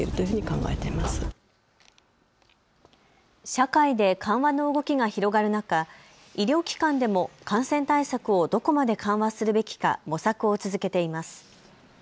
社会で緩和の動きが広がる中、医療機関でも感染対策をどこまで緩和するべきか模索を続けています。